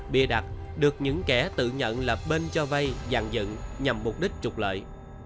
bia đặt được những kẻ tự nhận là bên cho vay dàn dựng nhằm mục đích trục lợi